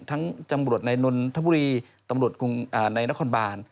ทั้งจังหวัดนนทบุรีตำรวจในนครบาล